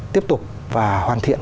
tiếp tục và hoàn thiện